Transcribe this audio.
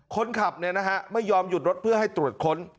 คนขับไม่ยอมหยุดรถเพื่อให้ตรวจค้น